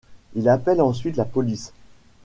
Il appelle ensuite la police.